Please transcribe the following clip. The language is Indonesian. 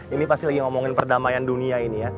ini pasti lagi ngomongin perdamaian dunia ini ya